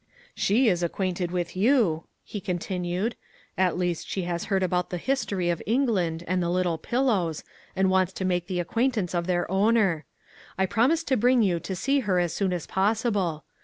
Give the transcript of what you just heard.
" She is acquainted with you," he continued ;" at least she has heard about the history of England and the ' Little Pillows,' and wants to make the acquaintance of their owner. I promised to bring you to see her as soon as possible.